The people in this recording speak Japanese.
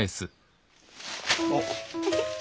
あっ。